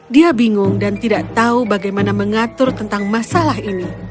dia bingung dan tidak tahu bagaimana mengatur tentang masalah ini